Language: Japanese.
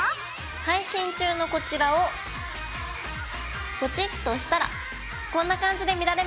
配信中のこちらをポチッと押したらこんな感じで見られますよ。